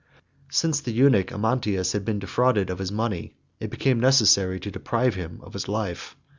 ] Since the eunuch Amantius had been defrauded of his money, it became necessary to deprive him of his life.